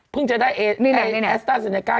เพิ่งจะได้แอสเตอร์เซเนก้า